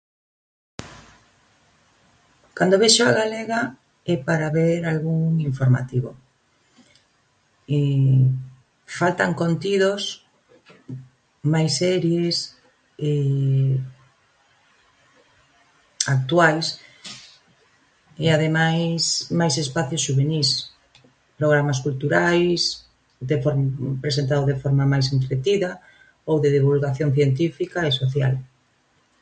Cando vexo a galega é para ver algún informativo. Faltan contidos, máis series actuais e ademais máis espacios xuvenís, programas culturais de form- presentado de forma máis entretida ou de divulgación científica e social.